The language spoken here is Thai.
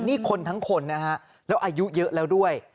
นี่คนทั้งคนนะฮะแล้วอายุเยอะแล้วด้วย